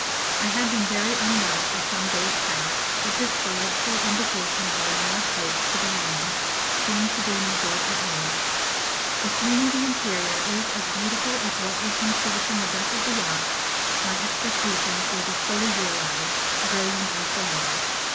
I had been very unwell for some days past, but this delightful indication of our near approach to the land seemed to do me good at once. If only the interior is as beautiful as what we can see from the deck of the yacht, my expectations will be fully realised, brilliant as they are.